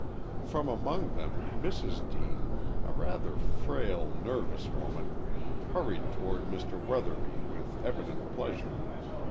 From among them, Mrs. Deane, a rather frail, nervous woman, hurried toward Mr. Weatherby with evident pleasure.